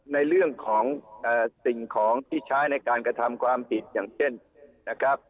ในเรื่องของสิ่งของที่ใช้ในการกระทำความผิดอย่างเช่นนะครับ